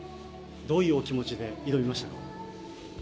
どういうお気持ちで挑みましたか？